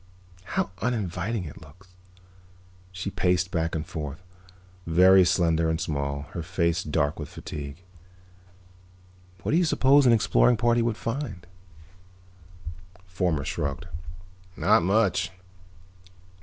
"How uninviting it looks." She paced back and forth, very slender and small, her face dark with fatigue. "What do you suppose an exploring party would find?" Fomar shrugged. "Not much.